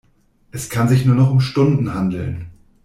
Es kann sich nur noch um Stunden handeln.